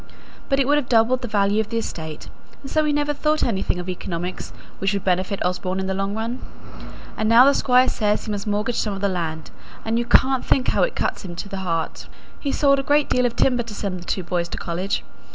But it would have doubled the value of the estate, and so we never thought anything of economies which would benefit Osborne in the long run. And now the Squire says he must mortgage some of the land; and you can't think how it cuts him to the heart. He sold a great deal of timber to send the two boys to college.